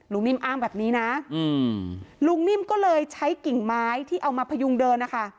นิ่มอ้างแบบนี้นะลุงนิ่มก็เลยใช้กิ่งไม้ที่เอามาพยุงเดินนะคะ